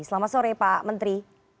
selamat sore pak menteri